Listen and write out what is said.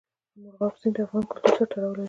مورغاب سیند د افغان کلتور سره تړاو لري.